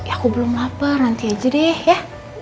aku belum lapar nanti aja deh ya